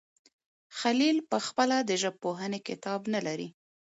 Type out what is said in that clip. خلیل پخپله د ژبپوهنې کتاب نه لري.